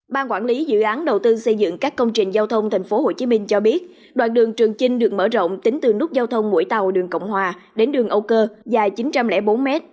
ban quản lý dự án đầu tư xây dựng các công trình giao thông thành phố hồ chí minh cho biết đoạn đường trường chinh được mở rộng tính từ nút giao thông mũi tàu đường cộng hòa đến đường âu cơ dài chín trăm linh bốn mét